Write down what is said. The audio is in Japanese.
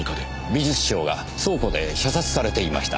美術商が倉庫で射殺されていました。